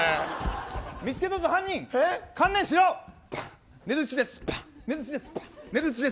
見つけたぞ犯人観念しろ、ねづっちです。